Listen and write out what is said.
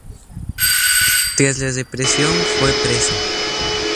Tras la represión fue preso.